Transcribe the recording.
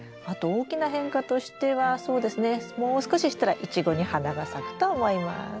あと大きな変化としてはそうですねもう少ししたらイチゴに花が咲くと思います。